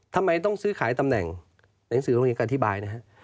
ทำไมต้องซื้อขายตำแหน่งหนังสือโรงเรียนการอธิบายนะฮะ